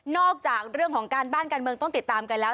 จากเรื่องของการบ้านการเมืองต้องติดตามกันแล้ว